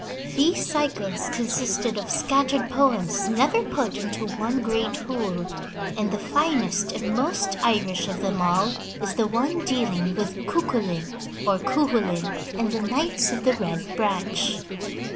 These cycles consisted of scattered poems never put into one great whole, and the finest and most Irish of them all is the one dealing with Cuculain or Cuchulain and the Knights of the Red Branch.